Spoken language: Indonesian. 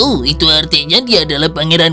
oh itu artinya dia adalah pangeran